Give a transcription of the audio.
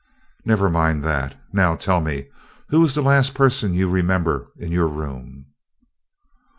"Never mind that. Now tell me, who was the last person you remember in your room?"